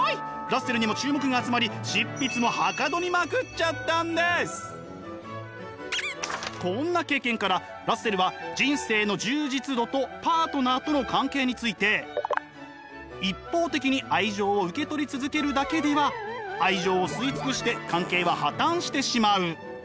ラッセルにも注目が集まりこんな経験からラッセルは人生の充実度とパートナーとの関係について一方的に愛情を受け取り続けるだけでは愛情を吸い尽くして関係は破綻してしまう。